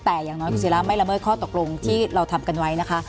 แต่อย่างน้อยคุณศิราไม่ละเมิดข้อตกลงที่เราทำกันไว้นะคะ